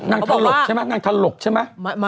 นางทะลกใช่ไหมนางทะลกใช่ไหม